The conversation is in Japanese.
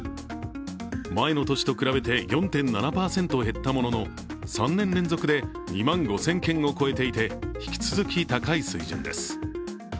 前の年と比べて４．７％減ったものの３年連続で２万５０００件を超えていて引き続き高い水準です。